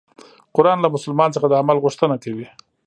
قرآن له مسلمان څخه د عمل غوښتنه کوي.